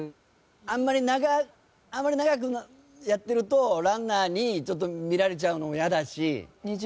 あんまり長くあんまり長くやってるとランナーにちょっと見られちゃうのもイヤだし。